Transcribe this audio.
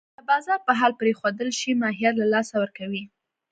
که بازار په حال پرېښودل شي، ماهیت له لاسه ورکوي.